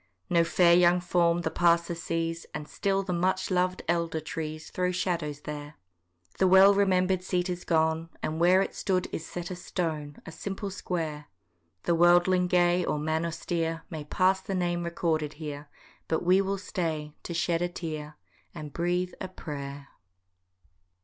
No fair young form the passer sees, And still the much lov'd elder trees Throw shadows there. The well remember'd seat is gone, And where it stood is set a stone, A simple square: The worlding gay, or man austere, May pass the name recorded here, But we will stay to shed a tear, And breathe a prayer.